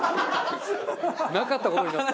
なかった事になった。